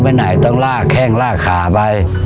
ไปไหนต้องลากแข้งลากขาไป